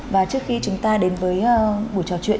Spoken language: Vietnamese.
và trước khi chúng ta đến với buổi trò chuyện